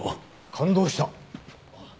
感動した！